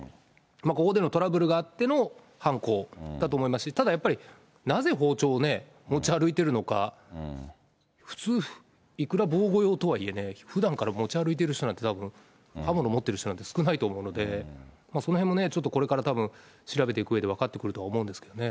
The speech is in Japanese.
ここでのトラブルがあっての犯行だと思いますし、ただ、やっぱりなぜ、包丁をね、持ち歩いてるのか、普通、いくら防護用とはいえね、ふだんから持ち歩いている人なんて、たぶん、刃物持ってる人なんて少ないと思うんで、そのへんもこれからたぶん、調べていくうえで分かっていくとは思うんですけどね。